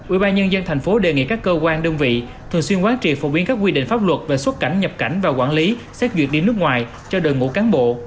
ubnd tp đề nghị các cơ quan đơn vị thường xuyên quán trị phổ biến các quy định pháp luật về xuất cảnh nhập cảnh và quản lý xét duyệt đi nước ngoài cho đội ngũ cán bộ